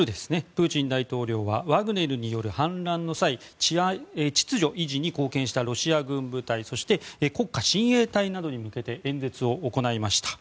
プーチン大統領はワグネルによる反乱の際秩序維持に貢献したロシア軍部隊そして、国家親衛隊などに向けて演説を行いました。